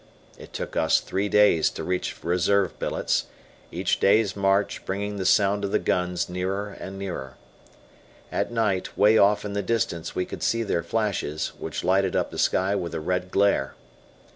It took us three days to reach reserve billets each day's march bringing the sound of the guns nearer and nearer. At night, way off in the distance we could see their flashes, which lighted up the sky with a red glare.